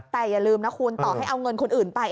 แต่อย่าลืมนะคุณต่อให้เอาเงินคนอื่นไป